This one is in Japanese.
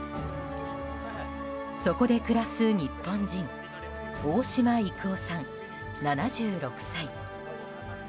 そこで暮らす日本人大島育雄さん、７６歳。